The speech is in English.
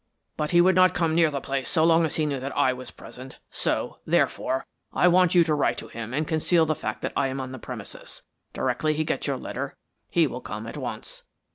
But he would not come near the place so long as he knew that I was present; so, therefore, I want you to write to him and conceal the fact that I am on the premises. Directly he gets your letter he will come at once."